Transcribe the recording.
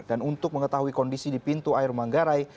dan untuk mengetahui kondisi di pintu air manggarai